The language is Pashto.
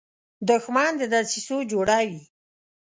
دښمن د دسیسو جوړه وي